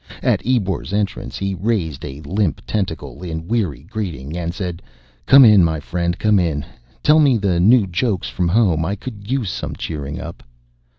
At Ebor's entrance he raised a limp tentacle in weary greeting and said, "Come in, my friend, come in. Tell me the new jokes from home. I could use some cheering up."